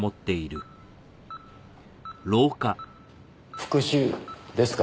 復讐ですか？